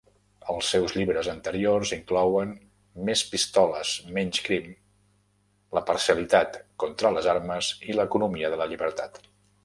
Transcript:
Els seus llibres anteriors inclouen "Més pistoles, menys crim", "La parcialitat contra les armes", i "L'economia de la llibertat".